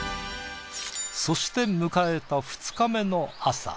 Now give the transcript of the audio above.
そして迎えた２日目の朝。